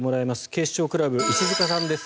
警視庁クラブ、石塚さんです。